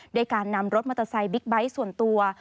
ด้วยการนำรถมอเตอร์ไซค์บิ๊กไบท์ส่วนตัว